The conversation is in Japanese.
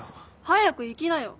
早く行きなよ。